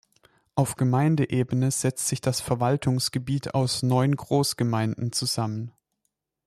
Auf Gemeindeebene setzt sich das Verwaltungsgebiet aus neun Großgemeinden zusammen.